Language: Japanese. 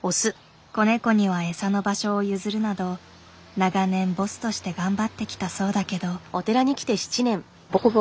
子ネコにはエサの場所を譲るなど長年ボスとして頑張ってきたそうだけど。